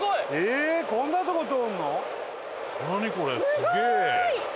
すげえ！